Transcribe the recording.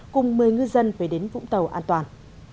cùng mời ngư dân về đến vũng tàu an toàn